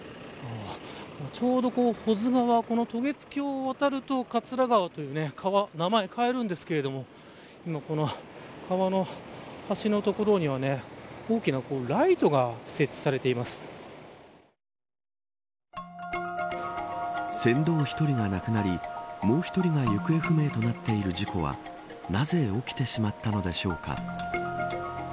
ちょうど、保津川渡月橋を渡ると桂川という川に名前変わるんですけど川の柱の所には大きなライトが船頭１人が亡くなりもう１人が行方不明となっている事故はなぜ起きてしまったのでしょうか。